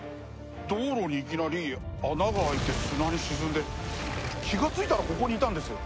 道路にいきなり穴が開いて砂に沈んで気がついたらここにいたんですよ。